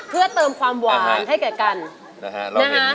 เพื่อเติมความหวานให้กัน